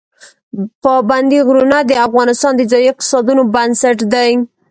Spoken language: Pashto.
پابندی غرونه د افغانستان د ځایي اقتصادونو بنسټ دی.